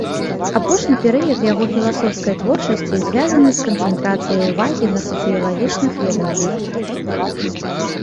Апошні перыяд яго філасофскай творчасці звязаны з канцэнтрацыяй увагі на сацыялагічных ведах.